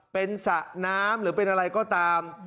เป็นสระน้ำหรือเป็นอะไรก็ตาม